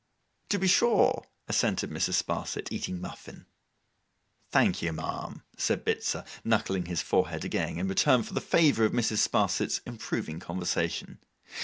'To be sure,' assented Mrs. Sparsit, eating muffin. 'Thank you, ma'am,' said Bitzer, knuckling his forehead again, in return for the favour of Mrs. Sparsit's improving conversation.